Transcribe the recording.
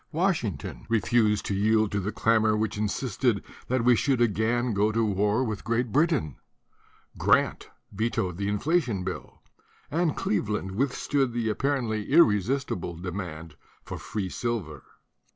Washington refused to yield to the clamor which insisted that we should again go to war with Great Britain; Grant vetoed the in flation bill; and Cleveland withstood the ap parently irresistible demand for free silver.